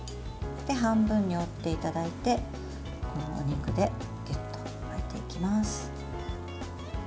半分に折っていただいてお肉でぎゅっと巻いていきます。